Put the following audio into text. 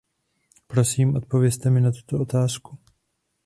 Prosím, odpovězte mi na tuto otázku.